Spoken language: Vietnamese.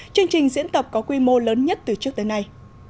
chương trình diễn tập có quy mô lớn nhất từ trước tới nay